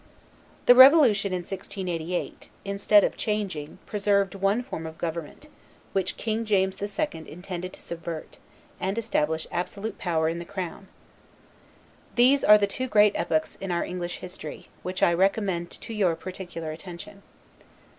The Revolution in 1688, instead of changing, preserved one form of government; which King James II. intended to subvert, and establish absolute power in the Crown. These are the two great epochs in our English history, which I recommend to your particular attention.